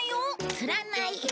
釣らない。